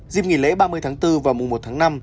dịp nghỉ lễ ba mươi tháng bốn và mùa một tháng năm